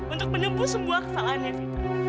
untuk menembus sebuah kesalahan evita